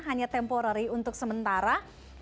hanya temporary untuk sementara